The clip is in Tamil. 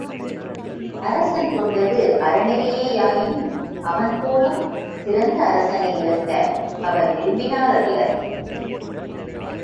அரசன் கொண்டது அறநெறியே யாயினும், அவன் போலும், சிறந்த அரசனை இழக்க அவர் விரும்பினாரல்லர்.